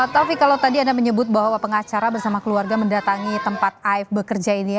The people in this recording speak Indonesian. taufik kalau tadi anda menyebut bahwa pengacara bersama keluarga mendatangi tempat aif bekerja ini